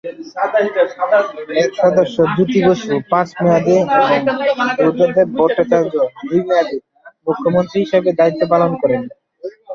এর সদস্য জ্যোতি বসু পাঁচ মেয়াদে এবং বুদ্ধদেব ভট্টাচার্য দুই মেয়াদে মুখ্যমন্ত্রী হিসেবে দায়িত্ব পালন করেন।